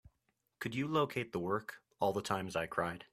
Could you locate the work, All the Times I Cried?